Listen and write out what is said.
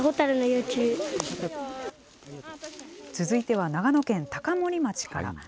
続いては長野県高森町から。